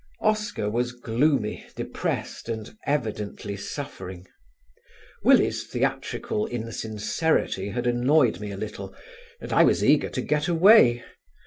Oscar was gloomy, depressed, and evidently suffering. Willie's theatrical insincerity had annoyed me a little, and I was eager to get away.